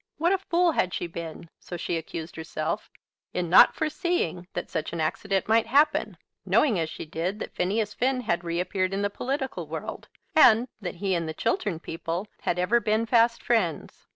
What a fool had she been, so she accused herself, in not foreseeing that such an accident might happen, knowing as she did that Phineas Finn had reappeared in the political world, and that he and the Chiltern people had ever been fast friends!